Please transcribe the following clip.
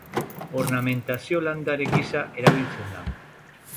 Ornamentazio landare gisa erabiltzen da.